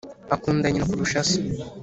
• akunda nyina kurusha se.